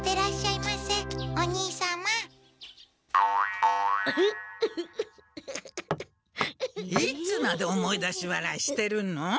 いつまで思い出し笑いしてるの？